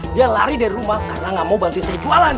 dia lari dari rumah karena nggak mau bantuin saya jualan